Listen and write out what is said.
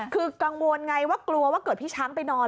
คือกังวลไงว่ากลัวว่าเกิดพี่ช้างไปนอน